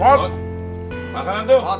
mot makanan tuh